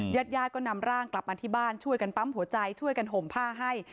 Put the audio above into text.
ญาติญาติก็นำร่างกลับมาที่บ้านช่วยกันปั๊มหัวใจช่วยกันห่มผ้าให้